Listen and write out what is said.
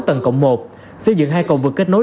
tầng cộng một xây dựng hai cầu vượt kết nối